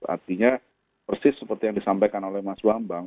artinya persis seperti yang disampaikan oleh mas bambang